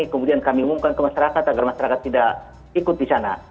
kemudian kami umumkan ke masyarakat agar masyarakat tidak ikut di sana